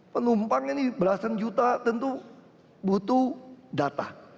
penumpang ini belasan juta tentu butuh data